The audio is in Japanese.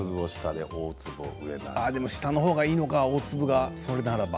でも下のほうがいいのか大粒がそれならば。